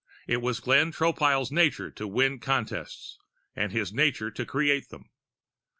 It was Glenn Tropile's nature to win contests ... and his nature to create them.